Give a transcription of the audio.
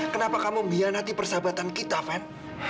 kenapa kamu mianati persahabatan kita fah